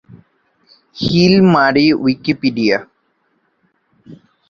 hill মারি Wikipedia